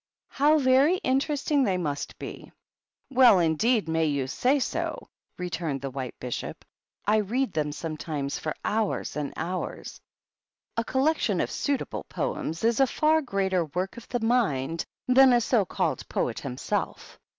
"How very interesting they must be !"" Well, indeed, may you say so !"^ returned the White Bishop. "I read them sometimes for hours and hours. A collection of suitable poems is a far greater work of the mind than a so called poet himself.